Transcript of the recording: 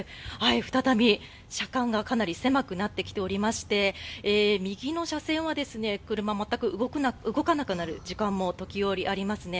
再び車間がかなり狭くなってきておりまして右の車線は車が全く動かなくなる時間も時折ありますね。